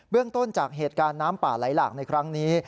เรื่องต้นจากเหตุการณ์น้ำป่าไหลหลากในครั้งนี้